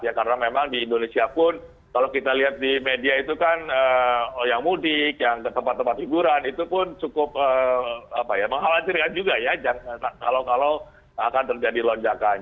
ya karena memang di indonesia pun kalau kita lihat di media itu kan yang mudik yang ke tempat tempat hiburan itu pun cukup mengkhawatirkan juga ya kalau kalau akan terjadi lonjakan